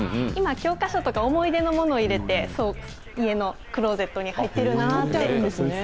今、教科書とか思い出のものを入れて、家のクローゼットに入っています。